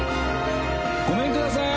ごめんください。